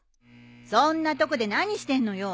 そんなとこで何してんのよ。